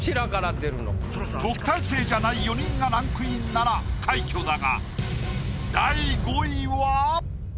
特待生じゃない４人がランクインなら快挙だが。